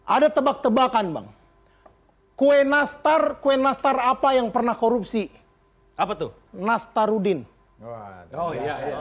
ada tebak tebakan bang kue nastar kue nastar apa yang pernah korupsi apa tuh nastarudin oh iya